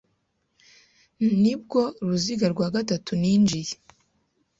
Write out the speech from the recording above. Nibwo ruziga rwa gatatu ninjiye